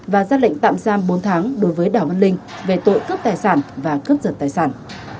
và ra lệnh tạm giam bốn tháng đối với đảo văn linh về tội cướp tài sản và cướp giật tài sản